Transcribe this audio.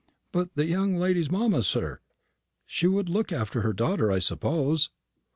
"But the young lady's mamma, sir she would look after her daughter, I suppose?"